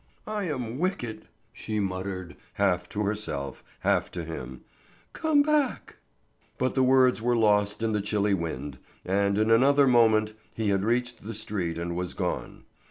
"I am wicked," she muttered, half to herself, half to him; "come back!" but the words were lost in the chilly wind, and in another moment he had reached the street and was gone.